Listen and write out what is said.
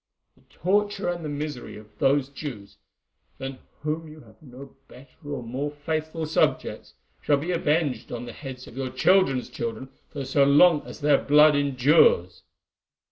The torture and the misery of those Jews, than whom you have no better or more faithful subjects, shall be avenged on the heads of your children's children for so long as their blood endures."